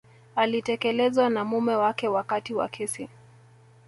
alitelekezwa na mume wake wakati wa kesi